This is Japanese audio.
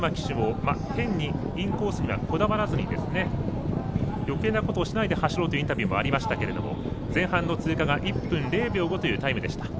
横山騎手も変にインコースにこだわらずによけいなことをしないで走ろうとインタビューにありましたけど前半の通過が１分０秒５というタイムでした。